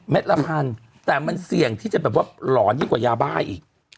ละพันแต่มันเสี่ยงที่จะแบบว่าหลอนยิ่งกว่ายาบ้าอีก